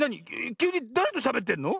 きゅうにだれとしゃべってんの？